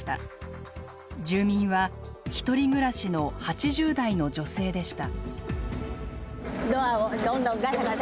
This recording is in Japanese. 住民は独り暮らしの８０代の女性でした。